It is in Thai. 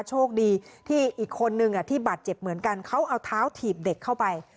โชคดีที่อีกคนนึงที่บาดเจ็บเหมือนกันเขาเอาเท้าถีบเด็กเข้าไป